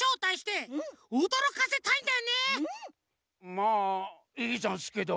まあいいざんすけど。